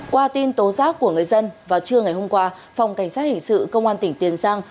qua tin tố giác của người dân vào trưa ngày hôm qua phòng cảnh sát hình sự công an tỉnh tiền giang